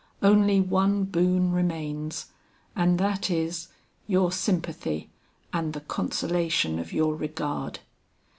Only one boon remains, and that is, your sympathy and the consolation of your regard.